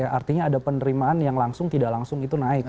artinya ada penerimaan yang langsung tidak langsung itu naik